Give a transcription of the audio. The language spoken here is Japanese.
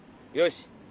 よし。